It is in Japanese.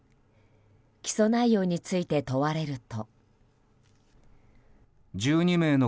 起訴内容について問われると。